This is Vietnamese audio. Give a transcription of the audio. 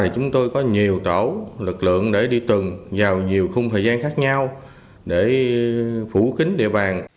chúng tôi có nhiều tổ lực lượng để đi từng vào nhiều khung thời gian khác nhau để phủ kính địa bàn